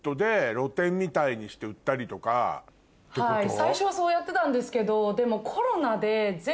最初はそうやってたんですけどでも。